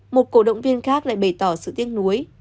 một cổ động viên khác lại bày tỏ sự tiếc nuối